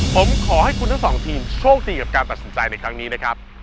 ผมขอให้คุณทั้งสองทีมโชคดีกับการตัดสินใจในครั้งนี้นะครับ